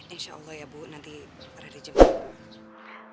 insya allah ya bu nanti ada dijemput